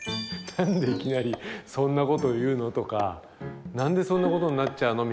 「何でいきなりそんなこと言うの？」とか「何でそんなことになっちゃうの？」